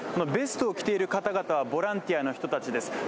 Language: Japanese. ベストを着ている方々はボランティアの方たちです。